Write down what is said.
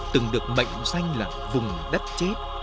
từng được mệnh xanh là vùng đất chết